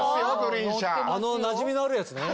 あのなじみのあるやつね。